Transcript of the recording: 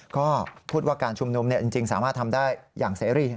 ก็พูดว่าการชุมนุมจริงสามารถทำได้อย่างเสรี